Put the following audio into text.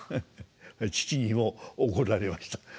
父にも怒られました。